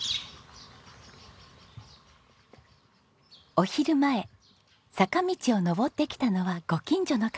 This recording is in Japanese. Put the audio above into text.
お昼前坂道を上ってきたのはご近所の方。